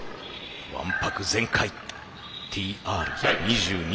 わんぱく全開ＴＲ２２。